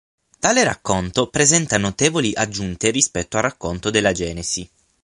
Tale racconto presenta notevoli aggiunte rispetto al racconto della Genesi.